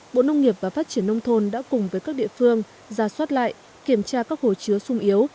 bộ nông nghiệp và phát triển nông thôn đã cùng với các địa phương ra soát lại kiểm tra các hồ chứa sung yếu